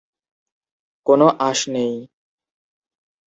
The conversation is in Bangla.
কোনো আঁশ নেই।